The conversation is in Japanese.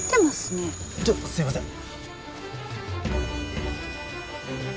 ちょっとすいません。